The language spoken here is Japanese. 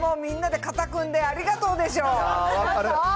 こんなもん、みんなで肩組んでありがとうでしょう。